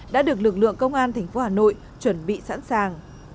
đã được lực lượng công an tp hà nội chuẩn bị sẵn sàng